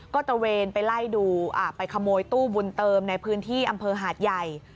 ก็ตระเวนไปไล่ดูไปขโมยตู้บุญเติมในพื้นที่อำเภอหาดใหญ่